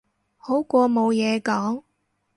好過冇嘢講